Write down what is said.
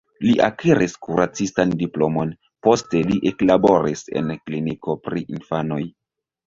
Li akiris kuracistan diplomon, poste li eklaboris en kliniko pri infanoj.